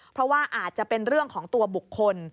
เพราะว่าอาจจะเป็นเรื่องของตัวบุคคล